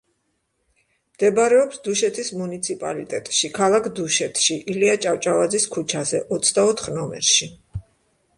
მდებარეობს დუშეთის მუნიციპალიტეტში, ქალაქ დუშეთში, ილია ჭავჭავაძის ქუჩაზე, ოცდაოთხ ნომერში.